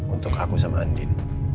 untuk aku sama andin